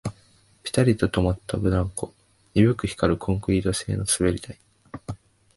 ピタリと止まったブランコ、鈍く光るコンクリート製の滑り台